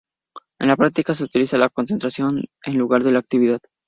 En la práctica se utiliza la concentración en lugar de la actividad.